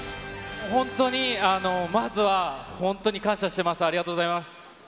本当に、まずは本当に感謝してます、ありがとうございます。